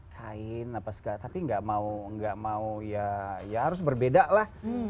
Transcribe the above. kain apa segala tapi gak mau ya harus berbeda lah